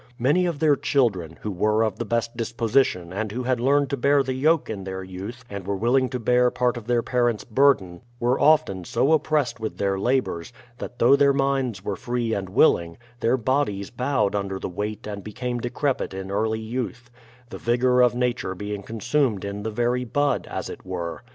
Many of their children, who were of the best disposition and who had learned to bear the yoke in their youth and were willing to bear part of their parents' burden, were THE PLYMOUTH SETTLEMENT 21 often so oppressed with their labours, that though their minds were free and wilUng, their bodies bowed under the weight and became decrepit in early youth, — the vigour of nature being consumed in the very bud, as it were.